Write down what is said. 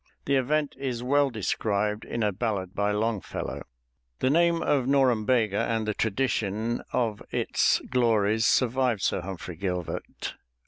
The event is well described in a ballad by Longfellow. The name of Norumbega and the tradition of its glories survived Sir Humphrey Gilbert.